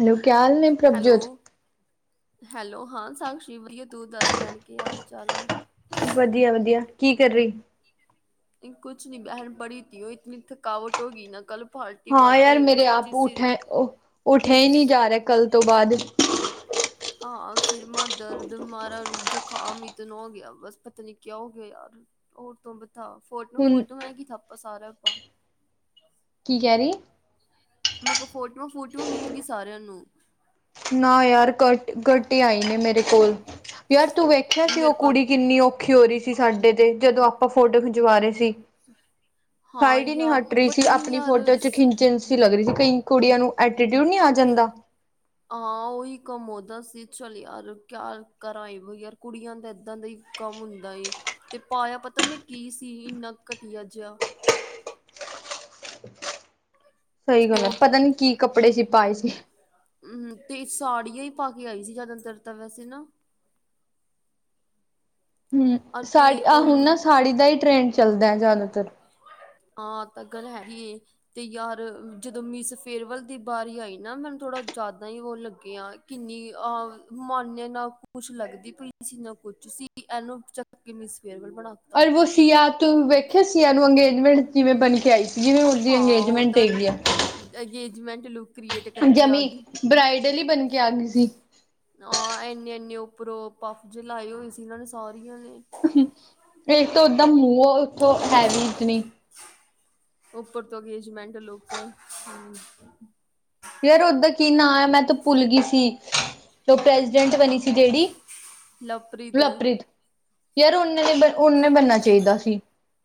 Hello ਕਿਆ ਹਾਲ ਨੇ ਹੈਲੋ। ਪ੍ਰਭਜੋਤ? ਹੈਲੋ ਹਾਂ ਸਾਕਸ਼ੀ ਵਧੀਆ ਤੂੰ ਦੱਸ ਭੈਣ ਕੀ ਹਾਲ ਚਾਲ ਆ? ਵਧੀਆ, ਵਧੀਆ ਕੀ ਕਰ ਰਹੀ ਕੁਛ ਨੀ ਬਹਿਣ ਪੜੀ ਤੀ ਉਹ ਇਤਨੀ ਥਕਾਵਟ ਹੋ ਗੀ ਨਾ ਕੱਲ ਪਾਲਟੀ ਮਾ ਹਾਂ ਯਾਰ ਤੇ ਮੇਰੇ ਸੱਚੀ ਆਪ ਸਿਰ ਉੱਠੇ ਉੱਠਿਆ ਹੀ ਨਹੀਂ ਜਾ ਰਿਹਾ ਕੱਲ ਤੋਂ ਬਾਅਦ ਹਾਂ ਸਿਰਮਾ ਦਰਦ ਮਾਰਾ ਜ਼ੁਕਾਮ ਇਤਨੋ ਹੋ ਗਿਆ ਬਸ ਪਤਾ ਨੀ ਕਿਆ ਹੋ ਗਿਆ ਯਾਰ ਹੋਰ ਤੂੰ ਬਤਾ ਫੋਟੋ ਹੁਣ ਫੋਟੁ ਹੇ ਕੀ ਥਾਪਾ ਸਾਰਾ ਆਪ ਕੀ ਕਹਿ ਰਹੀ ਮ ਕਾ ਫੋਟੋਆਂ ਫੋਟੁਆਂ ਮਿਲ ਗੀ ਸਾਰਿਆਂ ਨੂੰ ਨਾ ਯਾਰ ਘਟ ਘਟ ਆਈ ਨੇ ਮੇਰੇ ਕੋਲ ਯਾਰ ਤੂੰ ਵੇਖਿਆ ਸੀ ਮੇਰੇ ਉਹ ਪਾ ਕੁੜੀ ਕਿੰਨੀਓ ਔਖੀ ਹੋ ਰਹੀ ਤੀ ਸਾਡੇ ਤੇ ਜਦੋਂ ਆਪਾਂ ਫੋਟੋ ਖਿਚਵਾ ਰਹੇ ਸੀ ਹਾਂ ਸਾਈਡ ਹੀ ਨਹੀਂੀ ਯਾਰ ਹਟ ਰਹੀ ਸੀ ਪਤਾ ਨੀ ਆਪਣੀ ਯਾਰ ਫੋਟੋ ਚ ਖਿਚਣ ਚੀ ਲੱਗ ਰਹੀ ਸੀ ਕਈ ਕੁੜੀਆਂ ਨੂੰ ਐਟੀਟਿਊਡ ਨਹੀਂ ਆ ਜਾਂਦਾ [inaudible] ਹਾਂ ਉਹੀ ਕੰਮ ਓਦਾ ਸੀ ਚੱਲ ਯਾਰ ਕਿਆ ਕਰਾਂ ਵ ਯਾਰ ਕੁੜੀਆਂ ਦਾ ਇੱਦਾਂ ਦਾ ਹੀ ਕੰਮ ਹੁੰਦਾ ਏ ਤੇ ਪਾਇਆ ਪਤਾਨੇ ਕੀ ਸੀ ਇੰਨਾ ਘਟੀਆ ਜਿਹਾ ਸਹੀ ਤੇ ਗੱਲ ਹੈ ਉਹ ਪਤਾ ਨੀ ਕੀ ਕੱਪੜੇ ਜੇ ਪਾਏ ਸੀ ਹਮ ਤੇ ਸਾੜੀਆਂ ਹੀ ਪਾ ਕੇ ਆਈ ਸੀ ਜ਼ਿਆਦਾਤਰ ਤਾਂ ਵੈਸੇ ਨਾ ਹਮ ਅਤੇ ਸਾੜੀ ਆਹ ਉਹ ਹੁਣ ਨਾ ਸਾੜੀ ਦਾ ਹੀ ਟਰੈਂਡ ਚੱਲਦਾ ਹੈ ਜ਼ਿਆਦਾਤਰ ਹਾਂ ਤਾਂ ਗੱਲ ਹੈਗੀ ਤੇ ਯਾਰ ਜਦੋਂ ਮਿਸ ਫੇਅਰਵੈੱਲ ਦੀ ਬਾਰੀ ਆਈ ਨਾ ਮੈਨ ਥੋੜਾ ਜਿਆਦਾ ਹੀ ਉਹ ਲੱਗੀਆਂ ਕਿੰਨੀ ਅਹ ਮਾਨੇ ਨਾ ਕੁਛ ਲੱਗਦੀ ਪਈ ਸੀ ਨਾ ਕੁਛ ਸੀ ਇਹਨੂੰ [unintelligible] ਕਿ ਮਿਸ ਫੇਅਰਵਲ ਬਣਾ ਪਰ ਵੋ ਸੀਆ ਤੋਂ ਵੇਖਿਆ ਸੀਆ ਨੂੰ ਅੰਗੇਜਮੈਂਟ ਕਿਵੇਂ ਬਣ ਕੇ ਆਈ ਸੀ ਜਿਵੇਂ ਉਹਦੀ ਅੰਗੇਜਮੈਂਟ ਹੈਗੀ ਆ ਅੰਗਗੇਜਮੈਂਟ ਲੁ। ਜਮੀ ਬਰਾਾਈਡਲ ਹੀ ਬਣ ਕੇ ਆ ਗਈ ਸੀ। ਆਂ ਇੰਨੇ- ਇੰਨੇ ਉੱਪਰੋਂ ਪੱਫ ਜ ਲਾਏ ਹੋਏ ਸੀ ਇਹਨਾਂ ਨੇ ਸਾਰੀਆਂ ਨੇ। ਇੱਕ ਤਾਂ ਓਦਾਂ ਮੂੰਹ ਉੱਥੋਂ ਹੈ ਵੀ ਇਤਨੀ। ਉੱਪਰ ਤੋਂ ਅੰਗੇਜਮੈਂਟ ਲੁੱਕ ਹਮ ਯਾਰ ਓਦਾ ਕੀ ਨਾਂ ਹੈ ਮੈਂ ਤੂੰ ਭੁੱਲ ਗਈ ਸੀ। ਉਹ ਪ੍ਰੈਜੀਡੈਂਟ ਬਣੀ ਸੀ ਜਿਹੜੀ ਲਵਪ੍ਰੀਤ ਲਪ੍ਰੀਤ ਯਾਰ ਨੇ ਨੇ ਬ ਉਹਨੇ ਬਣਨਾ ਚਾਹੀਦਾ ਸੀ।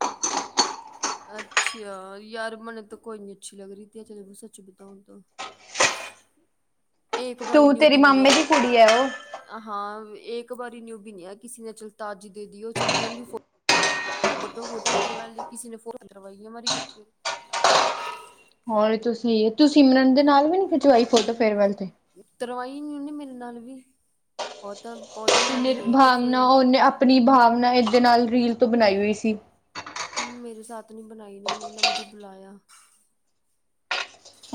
[unintelligible] ਅੱਛਾ। ਯਾਰ ਮਨੂੰ ਤਾਂ ਕੋਈ ਨੀ ਅੱਛੀ ਲੱਗ ਰਹੀ ਤ ਚਲ ਮੈਂ ਸੱਚ ਬਤਾਉ ਤਾਂ ਇਹ ਇੱਕ ਵਾਰੀ ਤੂੰ ਨਿਊ ਤੇਰੀ ਵੀ ਨ ਮਾਮੇ ਹੈ। ਦੀ ਕੁੜੀ ਹੈ ਉਹ। ਹਾਂ। ਇਹ ਇੱਕ ਵਾਰੀ ਨਿਊ ਵੀ ਨ ਕਿਸੇ ਨੇ ਚੱਲ ਤਾਜ਼ੀ ਦੇ ਦੀ ਉਹ ਚੱਲ ਫੋਟੋ- ਫੋਟੋਆਂ ਤਵਾ ਲ ਲਈ ਕਿਸੇ ਨੇ [unintelligible] ਫੋਵਾ ਮਲ ਫਿਰ ਹੋਰ ਤੁਸੀਂ ਸਿਮਰਨ ਦੇ ਨਾਲ ਵੀ ਨੀ ਖਿਚਵਾਈ ਫੋਟੋ ਫੇਰਵੈੱਲ ਤੇ। ਤਰਵਾਈ ਨੀ ਉਹਨੇ ਮੇਰੇ ਨਾਲ ਵੀ। ਬਹੁ ਤਾਂ ਉਦੇ ਨਾਲ ਹੀ ਰਹੀ ਤੇ ਫੇਰ ਭਾਵਨਾ ਉਹਨੇ ਆਪਣੀ ਭਾਵਨਾ ਏਦੇ ਨਾਲ ਰੀਲ ਤੋਂ ਬਣਾਈ ਹੋਈ ਸੀ। ਹਮ, ਮੇਰੇ ਸਾਥ ਨਹੀਂ ਬਣਾਈ ਉਹੇ ਨਾ ਮੁਝੇ ਬੁਲਾਇਆ।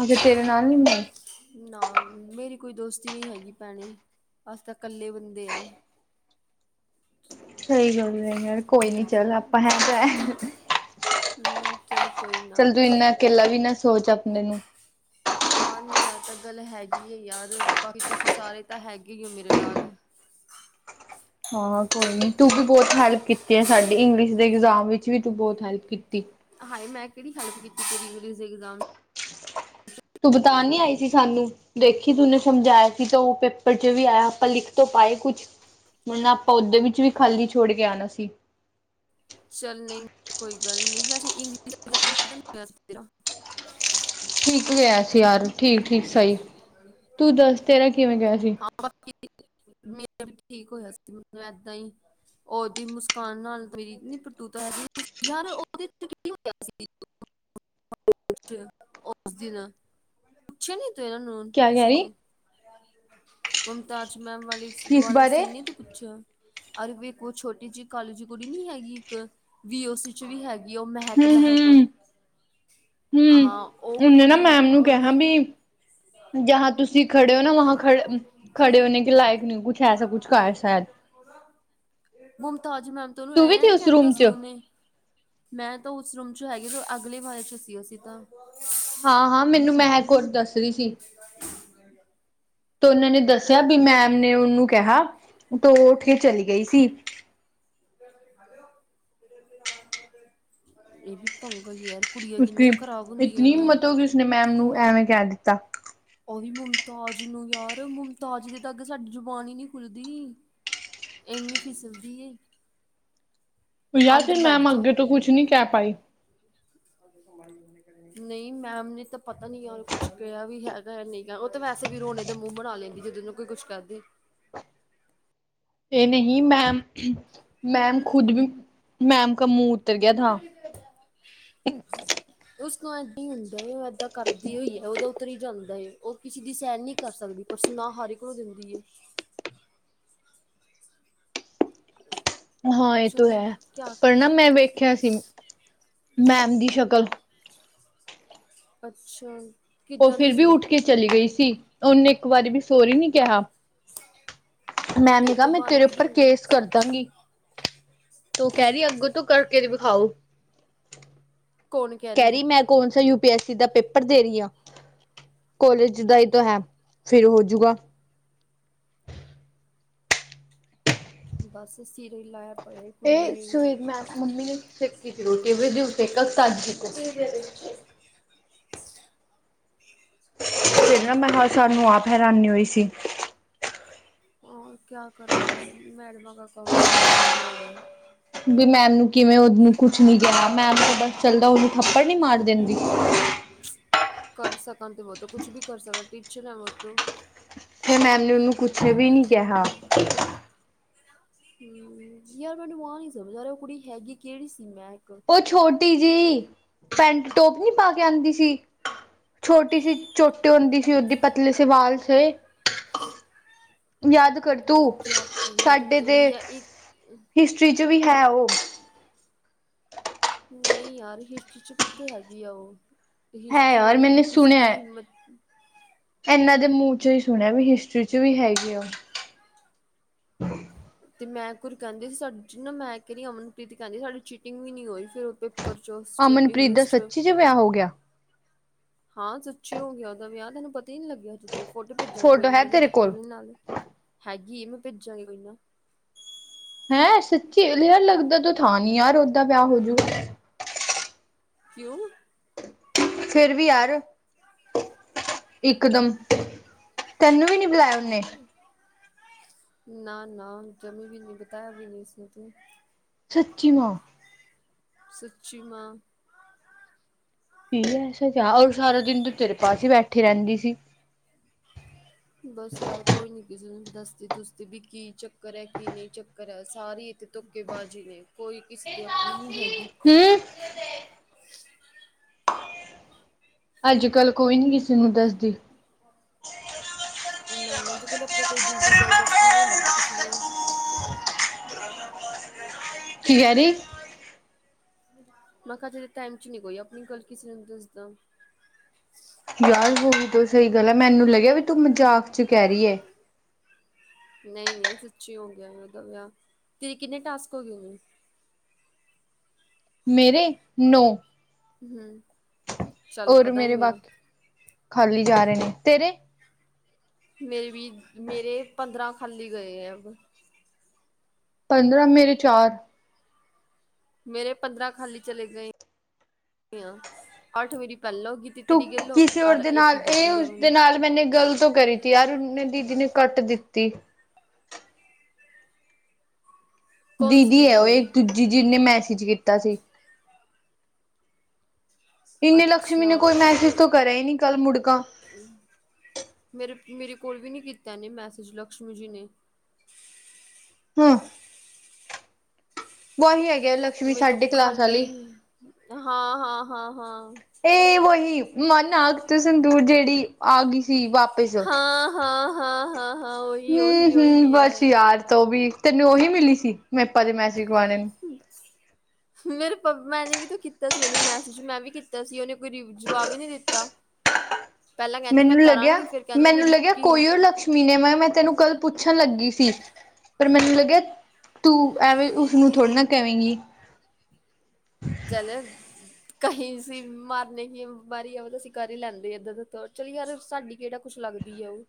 ਅੱਗੇ ਤੇਰੇ ਨਾਲ ਮਾਈ। ਨਾ ਮੇਰੀ ਕੋਈ ਦੋਸਤੀ ਨਹੀਂ ਹੈਗੀ ਭੈਣੀ। ਅਸੀ ਤਾਂ ਕੱਲੇ ਬੰਦੇ ਆ। ਸਹੀ ਗੱਲ ਹੈ ਯਾਰ ਕੋਈ ਨੀ ਚੱਲ ਆਪਾਂ ਹੈ ਤਾਂ। ਹ। ਮ ਚੱਲ ਕੋਈ ਨਾ। ਕਿੱਲਾ ਵੀ ਨਾ ਸੋਚ ਆਪਣੇ ਨੂੰ। ਹਾਂ ਨਹੀਂ ਯਾਰ ਤਾਂ ਗੱਲ ਹੈਗੀ ਹੈ ਯਾਰ ਬਾਕੀ ਕੁਛ ਸਾਰੇ ਤਾਂ ਹੈਗੇ ਹੀ ਹੋ ਮੇਰੇ ਨਾਲ। ਹਾਂ, ਕੋਈ ਨੀ ਤੂੰ ਵੀ ਬਹੁਤ ਹੈਲਪ ਕੀਤੀ ਹੈ ਸਾਡੀ ਇੰਗਲਿਸ਼ ਦੇ ਇਗਜ਼ਾਮ ਵਿੱਚ ਵੀ ਤੂੰ ਬਹੁਤ ਹੈਲਪ ਕੀਤੀ। ਹਾਏ! ਮੈਂ ਕਿਹੜੀ ਹੈਲਪ ਕੀਤੀ ਤੇਰੀ। ਹ [inaudible] ਤੂੰ ਬਿਤਾਨ ਨੀ ਆਈ ਸੀ ਸਾਨੂੰ। ਦੇਖੀ ਤਨੂੰ ਸਮਝਾਇਆ ਸੀ ਤਾਂ ਉਹ ਪੇਪਰ ਚ' ਵੀ ਆਇਆ। ਆਪਾਂ ਲਿਖ ਤੋਂ ਪਾਏ ਕੁਛ ਹੁਣ ਆਪਾਂ ਓਦੇ ਵਿੱਚ ਵੀ ਖਾਲੀ ਛੋੜ ਕੇ ਆਉਣਾ ਸੀ। ਚੱਲ ਨਹੀਂ, ਕੋਈ ਗੱਲ ਨੀ ਵੈਸੇ ਇੰਗਲਿਸ਼ ਠੀਕ ਗਿਆ ਸੀ ਯਾਰ, ਠੀਕ -ਠੀਕ ਸਹੀ ਤੂੰ ਦੱਸ ਤੇਰਾ ਕਿਵੇਂ ਗਿਆ ਸੀ। ਹਾਂ ਮੇਰਾ ਵੀ ਠੀਕ ਹੋਇਆ ਸੀ। ਮੈਨੂੰ ਏਦਾਂ ਹੀ ਉਹਦੀ ਮੁਸਕਾਨ ਨਾਲ ਮੇਰੀ ਨ ਪ੍ਰਤੂਤਾ ਹੈਗੀ। ਯਾਰ ਉਹਦੇ ਕੀ ਹੋਇਆ ਸੀ ਉਸ ਦਿਨ? ਪੁੱਛੇ ਨੀ ਤੂੰ ਇਹਨਾਂ ਨੂੰ ਕਿਆ ਕਹਿ ਕਿਸੇ ਰਹੀ ਨੂੰ? ਮੁਮਤਾਜ ਮੈਮ ਵਾਲੀ ਕਿਸ ਵਾਲਾ ਬਾਰੇ ਸੀ ਨੀ ਤੁ। ਪੁੱਛਾ। ਅਰੇ ਵੇ ਕੋ ਛੋਟੀ ਜਿਹੀ ਕਾਲੀ ਜੀ ਕੁੜੀ ਨੀ ਹੈਗੀ ਇੱਕ। ਵੀ ਓ ਸੀ ਚ' ਵੀ ਹੈਗ ਵੀ ਓਹ ਮਹਿਕ- ਹਮ ਮਹਿਕ। ਹਮ ਹਮ ਹਾਂ, ਓ ਉਹਨੇ ਕੁੜੀ ਕਿਹਾ ਉਹਨੇ ਬੀ ਜਹਾਂ ਤੁਸੀ ਖੜੇ ਹੋ ਨਾ ਵਹਾਂ ਖੜ -ਖੜੇ ਹੋਨੇ ਕੇ ਲਾਇਕ ਨਈ ਕੁਛ ਐਸਾ ਕੁਛ ਕਹਾ ਹੈ। ਸ਼ਾਇਦ। ਮੁਮਤਾਜ ਮੈਮ ਤ ਓਹਨੂੰ ਵੀ ਸੀ ਐਂ ਉਸ ਕਹਿ ਤਾ ਰੂਮ ਸੀ ਚ ਓਹਨੂੰ। ਨਈ ਮੈਂ ਤਾਂ ਓਸ ਰੂਮ ਚ ਹੈਗੇ ਤੇ ਅਗਲੇ ਵਾਲੇ ਚ' ਸੀ ਅਸੀ ਤਾਂ। ਹਾਂ -ਹਾਂ ਮੈਨੂੰ ਮੈਹਕ ਕੋਰ ਦੱਸ ਰੀ ਸੀ। ਤੇ ਓਹਨਾਂ ਨੇ ਦੱਸਿਆ ਬੀ ਮੈਮ ਨੇ ਓਹਨੂੰ ਕਿਹਾ, ਤੇ ਓ ਉਠ ਕੇ ਚਲੀ ਗਈ ਸੀ। ਏ ਵੀ ਪੰਗਾ ਈ ਯਾਰ। ਕੁੜੀਆਂ ਕਿੰਨੀਆਂ ਖ਼ਰਾਬ ਹੁੰਦੀਆਂ ਨੇ। ਉਸ ਨੇ ਮੈਮ ਨੂੰ ਐਵੇਂ ਕਹਿ ਦਿੱਤਾ। ਓ ਵੀ ਮੁਮਤਾਜ ਨੂੰ ਯਾਰ ਮੁਮਤਾਜ ਦੇ ਤਾ ਅਗੇ ਸਾਡੀ ਜੁਬਾਨ ਈ ਨੀ ਖੁੱਲਦੀ। ਏਨੀ ਫਿਸਲਦੀ ਏ। ਯਾਰ ਫੇਰ ਅੰਦਰ ਬੈਠ ਮੈਮ ਅੱਗੇ ਤੋਂ ਕੁਛ ਨੀ ਕਹਿ ਪਾਈ। [unintelligible] ਨਈ ਮੈਮ ਨੇ ਤਾਂ ਪਤਾ ਨੀ ਯਾਰ ਕੁਛ ਕਿਹਾ ਵੀ ਹੈਗਾ ਨਹੀਂ ਓ ਤਾਂ ਵੈਸੇ ਵੀ ਰੋਣੇ ਦਾ ਮੂੰਹ ਬਣਾ ਲੈਂਦੀ। ਜਦ ਉਣੁ ਕੋਈ ਕੁੱਛ ਕਰਦੇ। ਏਹ ਨਹੀਂ ਮੈਮ, ਮੈਮ ਖੁਦ ਵੀ ਮੈਮ ਕਾ ਮੂੰਹ ਉਤਰ ਗਆ ਥਾ। [unintelligible] [unintelligible] ਉਸ ਨਾਲ ਏਦਾਂ ਈ ਹੁੰਦਾ ਏ। ਓ ਏਦਾਂ ਕਰਦੀ ਓਈ ਐ ਓਹਦਾ ਉੱਤਰ ਈ ਜਾਂਦਾ ਐ। ਓ ਕਿਸੇ ਦੀ ਸਹਿਣ ਨਈ ਕਰ ਸਕਦੀ। ਪਰ ਸੁਨਾ ਹਰ ਇੱਕ ਨੂੰ ਦਿੰਦੀ ਏ। ਕਿਸੀ ਹਾਂ, ਏ ਤੋ ਹੈ, ਪਰ ਨਾ ਮੈਂ ਵੇਖਿਆ ਸੀ ਮੈਮ ਦੀ ਸ਼ਕਲ। ਅੱਛਾ। ਓਹ ਕਿੱਦਾਂ ਦੀ ਫਿਰ ਵੀ ਸੀ ਉੱਠ ਕੇ ਚਲੀ ਗਈ ਸੀ, ਓਹਨੇ ਇੱਕ ਵਾਰੀ ਵੀ ਸੋਰੀ ਨੀ ਕਿਹਾ। ਮੈਮ ਤੇ ਉਹ ਨੇ ਕਹਾ ਤੋਂ ਮੈਂ ਬਾਅਦ ਤੇਰੇ ਵੀ ਉੱਪਰ ਦਿਨ ਕੇਸ ਕਰ ਦਾਂਗੀ, ਤੋ ਕਹਿ ਰੀ ਅੱਗੋਂ ਤੋਂ ਕਰਕੇ ਵਿਖਾਓ। ਕਹਿ ਰਹੀ ਮੈਂ ਕੌਣ ਸੀ ਯੂ-ਪੀ-ਐਸ-ਸੀ ਦਾ ਪੇਪਰ ਦੇ ਰਹੀ ਆਂ। ਕੋਲੇਜ ਦਾ ਹੀ ਤੋ ਹੈ ਫਿਰ ਹੋਜੂਗਾ। ਬਸ ਸਿਰੇ ਈ ਲਾਇਆ ਏਹ ਸੁਏ ਮੈਂ ਮੰਮੀ ਨੇ [unintelligible] ਫਿਰ ਮੈਂ ਹ ਸਾਨੂੰ ਆਪ ਹੈਰਾਨੀ ਹੋਈ ਸੀ। ਹਾਂ ਕਆ ਕਰਾਂ ਯਾਰ ਮੈਡਮਾ ਕਾ ਕੰਮ ਵੀ ਐਸੇ ਈ ਹੋਵਾ। ਵੀ ਮੈਮ ਨੂੰ ਕਿਵੇਂ ਓਹਨੂੰ ਕੁਛ ਨੀ ਕਹਿਆ, ਮੈਮ ਦਾ ਬਸ ਚਲਦਾ ਓਹਨੂੰ ਥੱਪੜ ਨੀ ਮਾਰ ਦੇੰਦੀ। ਕਰ ਸਕਣ ਤਾਂ ਬੋਤ ਕੁਛ ਵੀ ਕਰ ਸਕਣ ਟੀਚਰ ਹੈਂ ਵੋ ਤੋ। ਫੇਰ ਮੈਮ ਨੇ ਔਨੂੰ ਕੁਛ ਵੀ ਨੀ ਕਿਹਾ। ਹੂੰ, ਯਾਰ ਮੈਨੂੰ ਆ ਨੀ ਸਮਝ ਆ ਰਿਹਾ ਓਹ ਕੁੜੀ ਹੈਗੀ ਕੇਹੜੀ ਸੀ ਮੈਹਕ। ਓ ਛੋਟੀ ਜੀ ਪੈਂਟ ਟੋਪ ਨੀ ਪਾ ਕੇ ਆਂਦੀ ਸੀ। ਛੋਟੀ ਸੀ ਚੋਟੀ ਹੁੰਦੀ ਸੀ ਓਹਦੀ ਪਤਲੇ ਸੇ ਵਾਲ ਸੇ। ਯਾਦ ਕਰ ਤੂੰ, ਕਿਆ ਪਤਾ ਯਾਰ ਸਾਡੇ ਤੇ ਕਿਹੜੀ ਆ ਇੱਕ ਹਿਸਟਰੀ ਚ ਵੀ ਹੈ ਓ। ਨਈ ਯਾਰ ਹਿਸਟਰੀ ਚ ਕਿੱਥੇ ਹੈਗੀ ਆ ਓ। ਹੈ ਹਿਸਟਰੀ ਯਾਰ ਵਾਲੇਆਂ ਦੀ ਮੈਨੇ ਕਿਸੀ ਦੀ ਹਿੰਮਤ ਐਨਾਂ ਦੇ ਮੂ ਚੋ ਈ ਸੁਣਿਆ ਵੀ ਹਿਸਟਰੀ ਚ ਵੀ ਹੈਗੀ ਓ। [unintelligible] ਤੇ ਮੈਂ ਕੁਰ ਕਹਿੰਦੀ ਸੀ ਸਾ ਨਾ ਮੈਂ ਕਹਿ ਰਹੀ ਅਮਨਪ੍ਰੀਤ ਕਹਿੰਦੀ ਸੀ ਸਾਡੀ ਚੀਟਿੰਗ ਵੀ ਨੀ ਹੋਈ ਫਿਰ ਓ ਪਰਚੋਸ ਚ ਇੰਗਲਿਸ਼ ਚ। ਤੇ ਵਿਆਹ ਹੋ ਗਿਆ। ਹਾਂ ਸਚੀ ਹੋ ਗਿਆ ਉਹਦਾ ਵਿਆਹ ਤੁਹਾਨੂੰ ਪਤਾ ਹੀ ਨੀ ਲੱਗਿਆ ਅੱਜੇ। ਫੋਟੋ ਭੇਜਾਂਗੇ ਕੋਈ ਫੋਟੋ ਨਾ ਹੈ ਮੈਂ ਤੇਰੇ ਉਦੇ ਕੋਲ ਪ੍ਰੁਣੇ ਨਾਲ ਹੈਗੀ ਮੈਂ ਭੇਜਾਂਗੀ ਕੋਈ ਨਾ। ਹੈਂ ਸੱਚੀ, ਲੇਅਰ ਲੱਗਦਾ ਤਾ ਥਾਂ ਨੀ ਯਾਰ ਓਦਾਂ ਵਿਆਹ ਹੋਜੂ ਕਿਉ? ਫੇਰ ਵੀ ਯਾਰ ਇਕਦਮ, ਤੈਨੂੰ ਵੀ ਨੀ ਬੁਲਾਇਆ? ਨੇ ਨਾ-ਨਾ ਜਮੀ ਵੀ ਨਹੀਂ ਬਤਾਇਆ ਵੀ ਨਹੀਂ ਇਸਨੇ ਤੂੰ। ਸੱਚੀ ਮਾ? ਸੱਚੀ ਮਾ। ਈ ਐਸਾ ਕਿਆ, ਔਰ ਸਾਰਾ ਦਿਨ ਤੋ ਤੇਰੇ ਪਾਸ ਹੀ ਬੈਠੀ ਰਹਿੰਦੀ ਸੀ। ਬਸ ਯਾਰ ਕੋਈ ਨੀ ਕਿਸੂੰ ਦੱਸਦੀ ਦੁੱਸਦੀ ਵੀ ਕੀ ਚੱਕਰ ਹੈ ਕੀ ਨਹੀਂ ਚੱਕ ਕਰ ਹੈ, ਸਾਰੀ ਇੱਥੇ ਧੋੱਕੇਬਾਜ਼ੀ ਨੇ ਕੋਈ ਕਿਸੇ ਦੀ ਆਪਣੀ ਨਹੀਂ ਹੈਗੀ। ਹੂੰ ਅੱਜ ਕੱਲ ਕੋਈ ਨੀ ਕਿਸੇ ਨੂੰ ਦੱਸਦੀ। ਨਾ-ਨਾ, ਜੋ ਕਲ ਆਪਣੇ ਕੋਈ ਦਿਲ ਦੀ ਗੱਲ ਦੱਸਦੀ ਨੀ ਹੈਗੀ ਕਿਸੇ ਨੂੰ। [unintelligible] ਕੀ ਕਹਿ ਰਹੀ? ਮੈਂ ਕਹਾ ਅਜ ਦੇ ਟਾਈਮ ਚ ਨੀ ਕੋਈ ਆਪਣੀ ਗੱਲ ਕਿਸੀ ਨੂ ਦਸਦਾ। ਯਾਰ ਹੋ ਵੀ ਤੋਂ ਸਹੀ ਗੱਲ ਹੈ, ਮੈਨੂੰ ਲੱਗਿਆ ਵੀ ਤੂੰ ਮਜ਼ਾਕ ਚ ਕਹਿ ਰਹੀ ਹੈ। ਨਹੀਂ ਨਹੀਂ ਸੱਚੀ ਹੋ ਗਿਆ, ਔਦਾ ਵਿਆਹ, ਤੇਰੇ ਕਿੰਨੇ ਟਾਸਕ ਹੋ ਗਏ। ਮੇਰੇ ਨੌ ਹੂ ਹੋਰ ਮੇਰੇ ਬਾਕੀ, ਖਾਲੀ ਜਾ ਰਹੇ ਨੇ, ਤੇਰੇ ਮੇਰੇ ਵੀ, ਮੇਰੇ ਪੰਦਰਾਂ ਖਾਲੀ ਗਏ ਹੈ ਅ ਪੰਦਰਾਂ, ਮੇਰੇ ਚਾਰ ਮੇਰੇ ਪੰਦਰਾਂ ਖਾਲੀ ਚਲੇ ਗਏ, ਅੱਠ ਵਾਰੀ ਪਹਿਲਾਂ ਗ ਤੂੰ ਤੇਰੀ ਗੱਲਓ ਕਿਸੇ ਹੋਰ ਯ ਦੇ ਇਹ ਹੀ ਨਾਲ ਬੁੱਕਰੀ ਆ ਉਸਦੇ ਮੰਨਨੀ [unintelligible] ਨਾਲ ਮੈਨੇ ਗਲ ਤੋਂ ਕਰੀ ਥੀ ਯਾਰ, ਉਨੇ ਦੀਦੀ ਨੇ ਕੱਟ ਦਿੱਤੀ। ਦੀਦੀ ਹੈ ਉਹ, ਇਹ ਦੂਜੀ ਜਿਹਨੇ ਮੈਸੇਜ ਕੀਤਾ ਸੀ। ਇੰਨੇ ਲਕਸ਼ਮੀ ਨੇ ਕੋਈ ਮੈਸੇਜ ਤੋਂ ਕਰਿਆ ਹੀ ਨਹੀਂ ਕੱਲ ਮੁੜਕਾ ਮੇਰੇ ਕੋਲ ਵੀ ਨਹੀਂ ਕੀਤਾ ਐਨੇ ਮੈਸੇਜ, ਲਕਸ਼ਮੀ ਜੀ ਨੇ। ਹੂ ਵਹੀ ਹੈ ਮੈਂ ਤੋ ਖਾਲੀ, ਹਾਂ ਹਾਂ ਹਾਂ ਹਾਂ ਇਹ ਵਹੀ ਮ ਨਾਕ ਤੇ ਸੰਦੂਰ ਜਿਹੜੀ ਆ ਗਈ ਸੀ ਵਾਪਿਸ ਹਾਂ ਹਾਂ ਹਾਂ ਹਾਂ ਹੀ ਓਹੀ ਉਹੀ ਹੈ ਤੋ ਵੀ ਤੈਨੂੰ ਉਹੀ ਮਿਲੀ ਸੀ, ਮੈਂਪਾ ਦੇ ਮੈਸ ਗਵਾਣੇ ਨੂੰ [unintelligible] ਮੈ ਨੇ ਵੀ ਤਾਂ ਕੀਤਾ ਸੀ ਉਹਨੂੰ ਮੈਸੇਜ, ਮੈਂ ਵੀ ਕੀਤਾ ਸੀ, ਉਹਨੇ ਕੋਈ ਜਵਾਬ ਹੀ ਨਹੀਂ ਦਿੱਤਾ। ਪਹਿਲਾਂ ਕਹਿੰਦੀ ਮੈਂ ਮੈਨੂੰ ਕਰਾਂਗੀ, ਫੇਰ ਕਹਿੰਦੀ ਮੇਰੀ ਕੀ ਮਹੀਨੇ ਮੈਂ, ਮੈਂ ਤੈਨੂੰ ਕੱਲ ਪੁੱਛਣ ਲੱਗੀ ਸੀ ਪਰ ਮੈਨੂੰ ਲੱਗਿਆ ਤੂੰ ਐਵੇਂ, ਉਸਨੂੰ ਥੋੜ੍ਹੀ ਨਾ ਕਵੇਂਗੀ ਚਲ ਕਹੀ ਅਸੀ ਮਾਰਨ ਕੀ ਬਿਮਾਰੀ ਆ, ਤਾਂ ਅਸੀਂ ਕਰ ਹੀ ਲੈਂਦੀ ਇਦਰ, ਚੱਲ ਯਾਰ ਸਾਡੀ ਕੇੜਾ ਕੁਛ ਲੱਗਦੀ ਹੈ, ਉਹ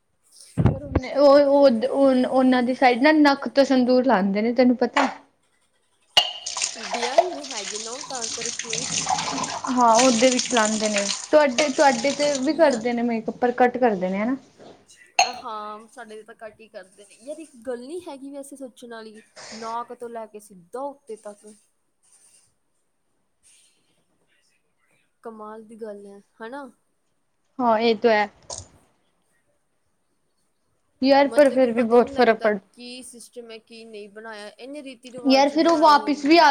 ਉਹ ਉਹਨਾਂ ਦੀ ਸਾਈਡ ਨਾ, ਨੱਕ ਤੋਂ ਸੰਦੂਰ ਲਾਉਦੇ ਨੇ, ਤੈਨੂੰ ਪਤਾ ਬਿਹਾਰ ਮੇਂ ਹੈਗੀ ਨਾ ਉਹ, ਤਾਂ ਕਰਕੇ ਹਾਂ ਉਹਦੇ ਵੀ ਲਉਦੇ ਨੇ, ਤੁਹਾਡੇ ਤੁਹਾਡੇ ਤੇ ਵੀ ਯਾਰ ਕਰਦੇ ਨੇ, ਮੇਕਅਪ ਪਰ ਘਟ ਕਰਦੇ ਨੇ ਹੈਨਾ। ਹਾਂ ਸਾਡੇ ਵਿਚ ਤਾਂ ਘੱਟ ਹੀ ਕਰਦੇ ਨੇ, ਯਾਰ ਇੱਕ ਗੱਲ ਨੀ ਹੈਗੀ ਵੀ ਐਸੀਂ ਸੋਚਣ ਵਾਲੀ। ਨਾਕ ਤੋਂ ਲੈ ਕੇ ਸਿੱਧਾ ਉੱਤੇ ਤਕ ਕਮਾਲ ਦੀ ਗੱਲ ਹੈ ਹੈਨਾ ਹਾਂ ਇਹ ਤੋ ਹੈ ਯਾਰ ਪਰ ਮਤਲਬ ਕਿ ਫਿਰ ਵੀ ਪਤਾ ਹੀ ਬਹੁਤ ਨਹੀਂ ਫ਼ਰਕ ਲੱਗਦਾ, ਪੜ ਕੀ ਸਿਸਟਮ ਹੈ ਕੀ ਨਹੀਂ ਬਣਾਇਆ, ਇਹਨੇ ਵੀ ਰੀਤੀ ਰਿਵਾਜ਼ ਬਣਾਏ ਹੋਯੇ ਨੇ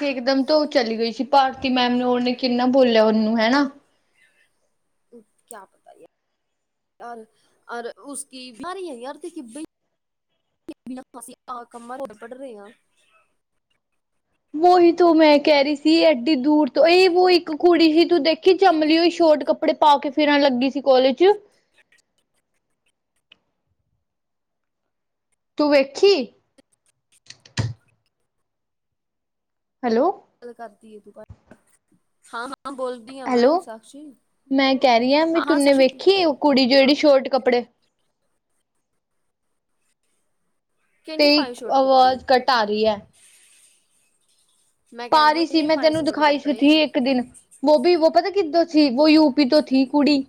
ਇੱਕਦਮ ਤਾਂ ਉਹ ਚਲੀ ਗਈ ਸੀ, ਭਾਰਤੀ ਮੈਡਮ ਨੂੰ, ਉਹਨੇ ਕਿੰਨਾ ਬੋਲਿਆ ਉਹਨੂੰ ਹੈਨਾ। ਕਿਆ ਪਤਾ ਯਾਰ ਰ ਔਰ ਉਸ ਕੀ ਸਾਰੀ ਹੈ, ਆਰਤੀ ਕੀ ਬੜੀ ਅਸੀਂ ਆ ਕੰਮਾਂ ਪੜ ਰਹੇ ਹਾਂ ਉਹੀ ਤੂੰ ਮੈਂ ਕਹਿ ਰਹੀ ਸੀ, ਐਡੀ ਦੂਰ ਤੋਂ ਇਹ ਵੋ ਇੱਕ ਕੁੜੀ ਸੀ, ਤੂੰ ਦੇਖ ਕਿ ਚਮਲੀ ਹੋਈ, ਸ਼ੋਰਟ ਕੱਪੜੇ ਪਾ ਕੇ ਫਿਰਨ ਲੱਗੀ ਸੀ, ਕਾੱਲੇਜ ਚ। ਤੂੰ ਵੇਖੀ ਹੈਲੋ ਗੱਲ ਕਰਤੀ ਹੈ, ਤੂੰ ਕਰ, ਹਾਂ ਹਾਂ ਬੋਲ ਹੈਲੋ, ਮੈਂ ਕਹਿ ਰਹੀ ਹਾਂ, ਵੀ ਤੂੰਨੇ ਵੇਖੀ ਉਹ ਕੁੜੀ ਜਿਹੜੀ ਸ਼ੋਰਟ ਕੱਪੜੇ ਕਿਹਨੇ ਤੇਰੀ ਪਾਏ ਸ਼ੋਟ ਕੱਪੜੇ ਆਵਾਜ਼, ਘਟ ਆ ਰਹੀ ਹੈ। ਮੈਂ ਪਾ ਕਹਿੰਦੀ ਆ ਰਹੀ ਸੀ, ਕਿਹਨੇ ਮੈਂ ਪਾਏ ਤੈਨੂੰ ਸ਼ੋਟ ਦਿਖਾਈ ਸੁ ਕੱਪੜੇ ਥੀ, ਇੱਕ ਦਿਨ। ਵੋ ਬੀ ਵੋ ਪਤਾ ਕਿੱਧਰੋ ਸੀ, ਵੋ ਯੂਪੀ ਤੋਂ ਥੀ, ਕੁੜੀ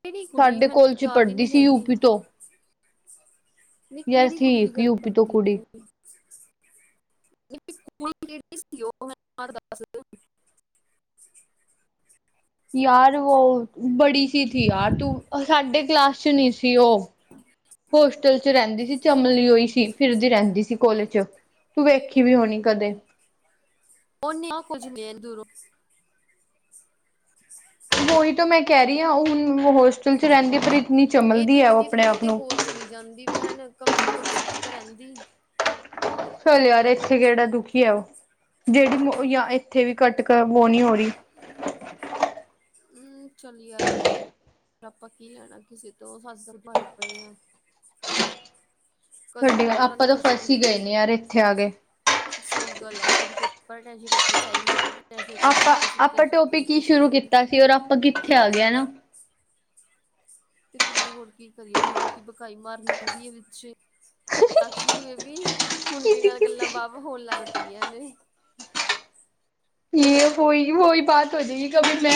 ਕਿਹੜੀ ਕੁੜੀ ਸਾਡੇ ਮੈਨੂੰ ਕੋਲ ਚ ਯਾਦ ਪੜ੍ਹਦੀ ਨੀ ਸੀ ਹੈਗੀ ਯੂਪੀ ਤੋਂ ਨਹੀਂ ਯਾਰ ਕਿਹੜੀ ਥੀ ਕੁੜੀ ਦੀ ਇੱਕ ਗੱਲ ਯੂਪੀ ਤੋਂ ਕਰਦੇ ਕੁੜੀ ਪਏ [unintelligible] ਸਕੂਲ [unintelligible] ਯਾਰ ਉਹ ਬੜੀ ਸੀ ਤੀ ਯਾਰ ਤੂੰ ਸਾਡੇ ਕਲਾਸ ਚ ਨਹੀਂ ਸੀ ਉਹ ਹੋਸਟਲ ਚ ਰਹਿੰਦੀ ਸੀ, ਚਮਲੀ ਹੋਈ ਸੀ ਫਿਰਦੀ ਰਹਿੰਦੀ ਸੀ, ਕੋਲੇਜ ਚ। ਤੂੰ ਵੇਖੀ ਵੀ ਹੋਣੀ ਕਦੇ ਉਹਨੇ ਆ ਖਜਮੇਲ ਦੂਰੋਂ ਉਹੀ ਤਾਂ ਮੈਂ ਕਹਿ ਰਹੀ ਹਾਂ ਹੁਣ ਹੋਸਟਲ ਚ ਰਹਿੰਦੀ ਪਰ ਇੰਨੀ ਇਹ ਚਮਲਦੀ ਤੇ ਹੈ ਉਹ ਵਧੀਆ ਆਪਣੇ ਤਰ੍ਹਾਂ ਆਪ ਕਿਤੇ ਨੂੰ ਹੋਰ ਚਲੀ ਜਾਂਦੀ ਬਹਿਣ ਕਮ ਤੇ ਕਮ ਸੁਖੀ ਤਾਂ ਰਹਿੰਦੀ ਫਿਰ ਯਾਰ ਇੱਥੇ ਕਿਹੜਾ ਦੁਖੀ ਆ ਉਹ ਜਿਹੜੀ ਜਾਂ ਇੱਥੇ ਵੀ ਕੱਟਕ ਵੋ ਨਹੀਂ ਹੋ ਰਹੀ ਚੱਲੀ ਪਰ ਆਪਾਂ ਕੀ ਲੈਣਾ ਕਿਸੇ ਤੋਂ ਸਤਸੰਗ ਭਰੇ ਪਏ ਆ ਕਦੇ ਤੁਹਾਡੇ ਪੇਪਰਾਂ ਦੀ ਆਪਾਂ ਤਾਂ ਫਸ ਹੀ ਗਏ ਨੇ ਯਾਰ ਇੱਥੇ ਆ ਕੇ ਸਹੀ ਗੱਲ ਹੈ ਕਦੀ ਪੇਪਰ ਟਸ਼ਨ ਕਦੀ ਅਸਾਈਮੈਂਟ ਆਪਾਂ ਆਪਾਂ ਟੋਪਿਕ ਕੀ ਸ਼ੁਰੂ ਦੀ ਕੀਤਾ ਸੀ ਔਰ ਆਪਾਂ ਕਿੱਥੇ ਆ ਗਿਆ ਹਨਾ ਤੇ ਫਿਰ ਹੋਰ ਕੀ ਕਰੀਏ ਬਹੁਤੀ ਭਕਾਈ ਮਾਰਨੀ ਪੈਂਦੀ ਹੈ ਵਿਚ ਅਕਸ਼ੀ ਬੇਬੀ ਹੁਣ ਕਿਸੀ ਬਿਨਾਂ ਗੱਲਾਂ ਕਿਸੀ ਵਾ ਹੋਣ ਲੱਗ ਪਈਆਂ ਨੇ ਜੇ ਵੋਹੀ ਵੋਹੀ ਬਾਤ ਹੋ ਜਾਗੀ ਕਬ ਮੈਂ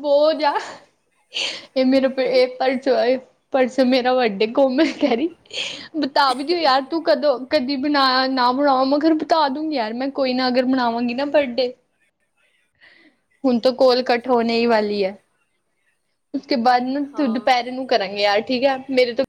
ਬੋਝ ਆ ਇਹ ਮੇਰਾ ਇਹ ਪੇਪਰ ਚੋਂ ਆਏ ਪਰਸੋਂ ਮੇਰਾ ਵੱਡੇ ਕੌਮ ਕਹਿ ਰਹੀ ਬਤਾ ਵੀ ਦਿਓ ਯਾਰ ਤੂੰ ਕਦੋਂ ਕਦੀ ਬਣਾਇਆ ਨਾ ਬਣਾਵ ਮਗਰ ਬਿਤਾ ਦੂੰਗੀ ਯਾਰ ਮੈਂ ਕੋਈ ਨਾ ਅਗਰ ਮਨਾਵਾਂਗੀ ਨਾ ਬਰਡੇ ਹੁਣ ਤਾਂ ਕੋਲ ਹੂੰ ਕੱਟ ਚੱਲ ਹੋਣੇ ਹੀ ਕੋਈ ਵਾਲੀ ਨਾ ਹੈ। ਉਸਕੇ ਬਾਅਦ ਨਾ ਹਾਂ ਦੁਪਹਿਰੇ ਨੂੰ ਕਰਾਂਗੇ ਯਾਰ ਠੀਕ ਹੈ ਮੇਰੇ ਤੋਂ